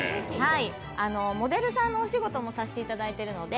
モデルさんのお仕事もさせていただいているので。